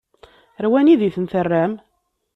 Ɣer wanida i ten-terram?